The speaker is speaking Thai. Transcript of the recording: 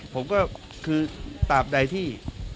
ผมก็คือตามใดที่